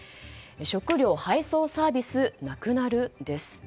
食料配送サービスなくなる？です。